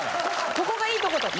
ここがいいとこだった。